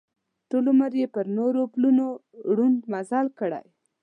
ټول عمر یې پر نورو پلونو ړوند مزل کړی.